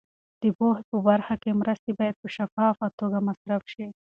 د پوهنې په برخه کې مرستې باید په شفافه توګه مصرف شي.